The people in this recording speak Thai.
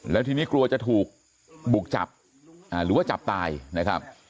แล้วทีนี้กลัวจะถูกบุกจับหรือว่าจับตายนะครับ